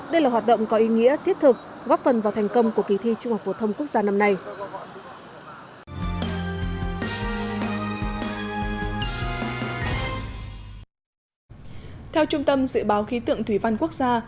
đây là hoạt động có ý nghĩa thiết thực góp phần vào thành công của kỳ thi trung học phổ thông quốc gia năm nay